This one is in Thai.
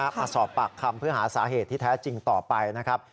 มาสอบปากคำเพื่อหาสาเหตุที่แท้จริงต่อไปนะครับ